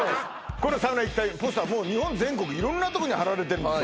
このサウナイキタイポスター日本全国色んなとこに貼られてるんですよ